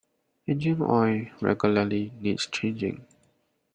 Engine oil regularly needs changing.